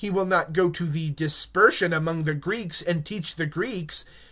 Will he go to those dispersed among the Greeks, and teach the Greeks?